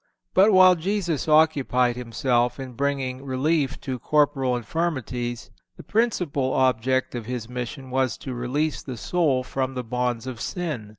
But, while Jesus occupied Himself in bringing relief to corporal infirmities, the principal object of His mission was to release the soul from the bonds of sin.